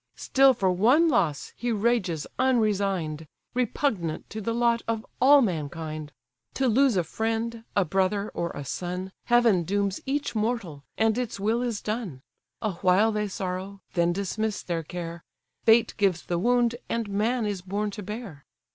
Still for one loss he rages unresign'd, Repugnant to the lot of all mankind; To lose a friend, a brother, or a son, Heaven dooms each mortal, and its will is done: Awhile they sorrow, then dismiss their care; Fate gives the wound, and man is born to bear.